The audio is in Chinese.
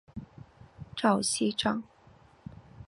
赵锡章。